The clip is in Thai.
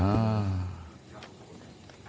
อ้าว